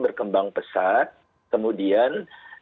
berkembang pesat kemudian